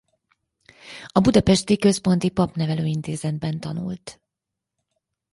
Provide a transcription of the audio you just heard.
A budapesti Központi Papnevelő Intézetben tanult.